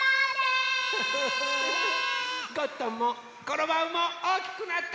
ゴットンもコロバウもおおきくなった。